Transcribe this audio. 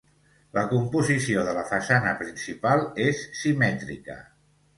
La composició de la façana principal és simètrica.